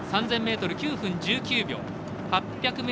３０００ｍ９分１３秒。